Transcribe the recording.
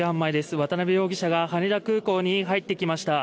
渡辺容疑者が羽田空港に入ってきました。